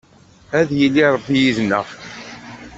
Ad yili Ṛebbi yid-neɣ.